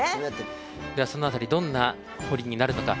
ではその辺りどんな彫りになるのか。